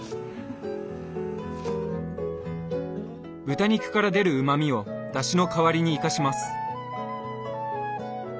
豚肉から出るうまみをだしの代わりに生かします。